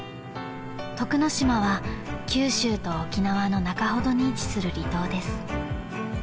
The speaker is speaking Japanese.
［徳之島は九州と沖縄の中ほどに位置する離島です］